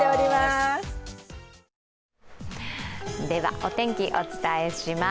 お天気、お伝えします。